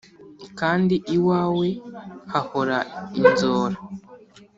Kandi iwawe hahora inzora.